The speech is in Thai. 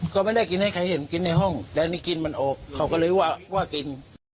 ก็ไม่ได้กินให้ใครเห็นกินในห้องแต่นี่กินมันออกเขาก็เลยว่ากิน